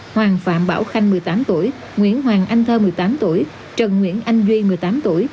hoàng phạm bảo khanh một mươi tám tuổi nguyễn hoàng anh thơ một mươi tám tuổi trần nguyễn anh duy một mươi tám tuổi